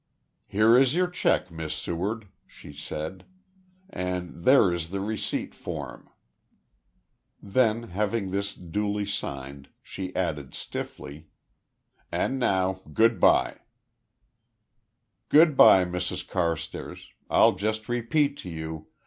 "Here is your cheque, Miss Seward," she said, "and there is the receipt form." Then having seen this duly signed, she added stiffly "And now, good bye." "Good bye, Mrs Carstairs. I'll just repeat to you.